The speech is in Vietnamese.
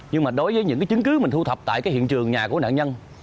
nhưng mà đối với những cái chứng cứ mình thu thập tại cái hiện trường nhà của nạn nhân